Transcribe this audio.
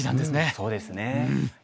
そうですね。